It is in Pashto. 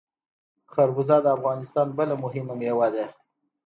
خربوزه د افغانستان بله مهمه میوه ده.